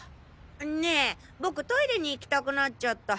ねえ僕トイレに行きたくなっちゃった。